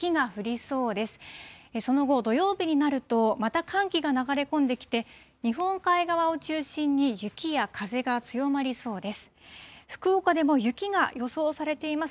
その後、土曜日になると、また寒気が流れ込んできて、日本海側を中心に、雪や風が強まりそうです。